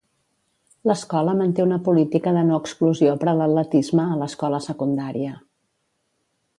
L'escola manté una política de no exclusió per a l'atletisme a l'escola secundària.